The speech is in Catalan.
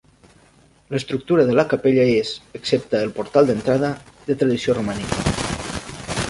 L'estructura de la capella és, excepte el portal d'entrada, de tradició romànica.